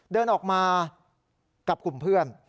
เดินออกมากับกลุ่มเพื่อน